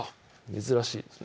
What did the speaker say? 珍しいですね